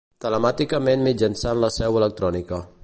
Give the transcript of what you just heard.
Telemàticament mitjançant la Seu Electrònica.